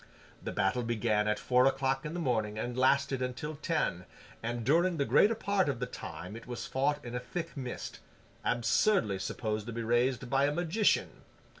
The battle began at four o'clock in the morning and lasted until ten, and during the greater part of the time it was fought in a thick mist—absurdly supposed to be raised by a magician.